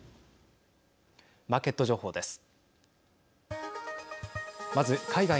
マーケット情報です。